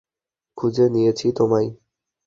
খুঁজে নিয়েছি তোমায়।